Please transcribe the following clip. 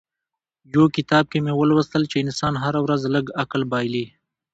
يو کتاب کې مې ولوستل چې انسان هره ورځ لږ عقل بايلي.